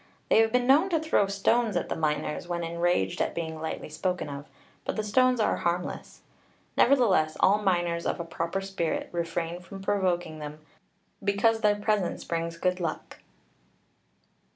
They have been known to throw stones at the miners, when enraged at being lightly spoken of; but the stones are harmless. Nevertheless, all miners of a proper spirit refrain from provoking them, because their presence brings good luck.